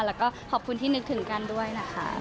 แล้วก็ขอบคุณที่นึกถึงกันด้วยนะคะ